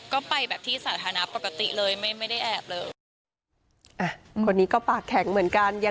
ก็ไปที่สาธารณะปกติเลย